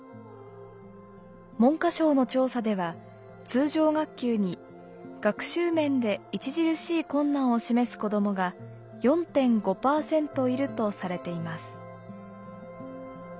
文科省の調査では「通常学級に学習面で著しい困難を示す子どもが４．５％いる」とされています。